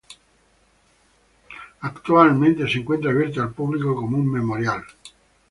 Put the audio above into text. Actualmente se encuentra abierto al público como un memorial.